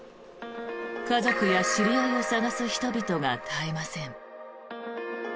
家族や知り合いを捜す人々が絶えません。